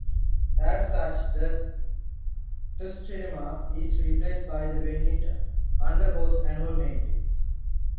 As such, the "Tustumena" is replaced by the when it undergoes annual maintenance.